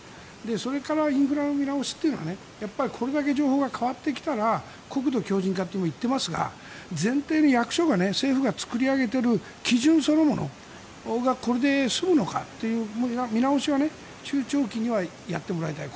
それからインフラの見直しというのはこれだけ情報が変わってきたら国土強じん化と今、言っていますが前提で役所や政府が作り上げている基準そのものがこれで済むのかという見直しが中長期にはやってもらいたい。